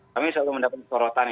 kami selalu mendapatkan sorotan